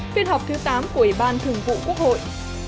phiên họp thứ tám của ủy ban thường vụ quốc hội